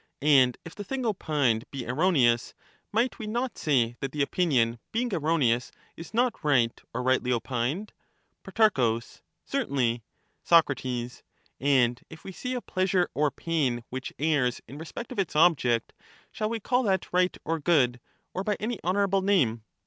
And if the thing opined be erroneous, might we not say that the opinion, being erroneous, is not right or rightly opined ? Pro. Certainly. Soc. And if we see a pleasure or pain which errs in respect of its object, shall we call that right or good, or by any honourable name